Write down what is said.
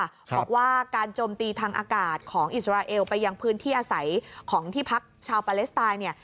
บอกว่าการโจมตีทางอากาศของอิสราเอลไปยังพื้นที่อาศัยของที่พักชาวปาเลสไตน์เนี่ย